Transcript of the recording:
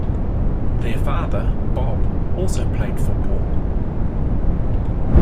Their father, Bob, also played football.